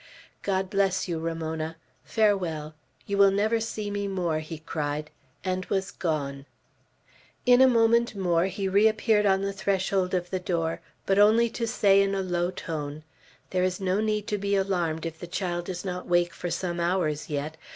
"God bless you, Ramona! Farewell! You will never see me more," he cried, and was gone. In a moment more he reappeared on the threshold of the door, but only to say in a low tone, "There is no need to be alarmed if the child does not wake for some hours yet.